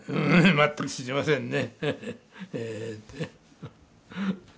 全く知りませんね。